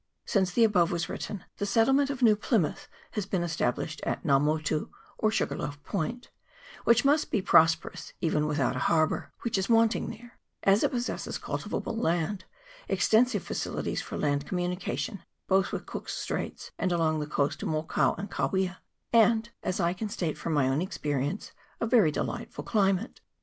Since the above was written the settlement of New Plymouth has been established at Nga Motu, or Sugarloaf Point, which must be prosperous even without a harbour, which is wanting there, as it possesses cultivable land, extensive facilities of land communication both with Cook's Straits and along the coast to Mokau and Kawia, and, as I can state from my own experience, a very delightful climate.